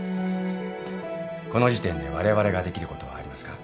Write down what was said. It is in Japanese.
この時点でわれわれができることはありますか？